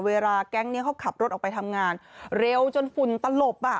แก๊งนี้เขาขับรถออกไปทำงานเร็วจนฝุ่นตลบอ่ะ